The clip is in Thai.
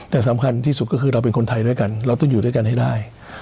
แต่สำคัญที่สุดก็คือเราเป็นคนไทยด้วยกันเราต้องอยู่ด้วยกันให้ได้